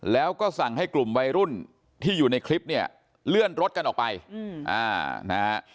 แล้วก็สั่งให้กลุ่มวัยรุ่นที่อยู่ในคลิปเนี่ยเลื่อนรถกันออกไปนะฮะ